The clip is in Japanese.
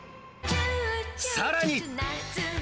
さらに。